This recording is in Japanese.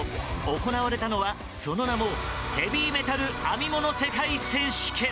行われたのは、その名もヘヴィメタル編み物世界選手権。